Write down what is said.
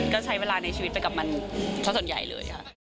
ก็ใช้เวลาในชีวิตให้กับมันช่องส่วนใหญ่เลย